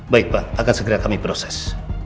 baik pak akan segera kami proses